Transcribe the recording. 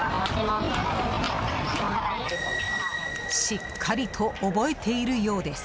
しっかりと覚えているようです。